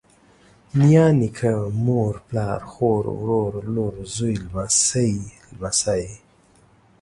نيا، نيکه، مور، پلار، خور، ورور، لور، زوى، لمسۍ، لمسى